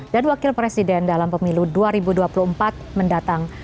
dan wakil presiden dalam pemilu dua ribu dua puluh empat mendatang